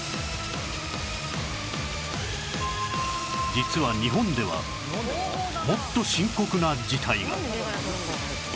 実は日本ではもっと深刻な事態が